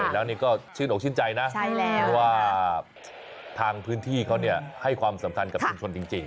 แล้วนี่ก็ชื่นอกชื่นใจนะเพราะว่าทางพื้นที่เขาให้ความสำคัญกับชุมชนจริง